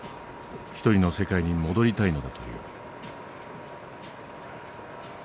１人の世界に戻りたいのだという。